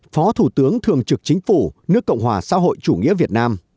phó thủ tướng thường trực chính phủ nước cộng hòa xã hội chủ nghĩa việt nam